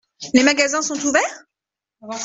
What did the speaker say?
Les magasins sont ouverts ?